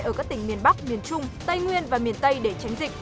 ở các tỉnh miền bắc miền trung tây nguyên và miền tây để tránh dịch